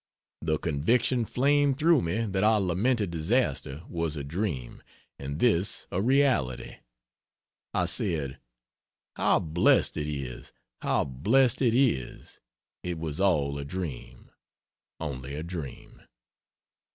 The conviction flamed through me that our lamented disaster was a dream, and this a reality. I said, "How blessed it is, how blessed it is, it was all a dream, only a dream!"